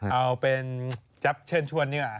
เอาเป็นแชร์แขวระเชิญชวนเหนือ